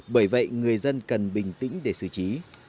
bởi vậy người dân cần bình tĩnh để xử trí